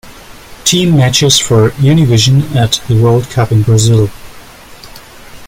Team matches for Univision at the World Cup in Brazil.